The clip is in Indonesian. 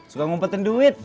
suka ngumpetin duit